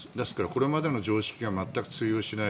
これまでの常識が全く通用しない。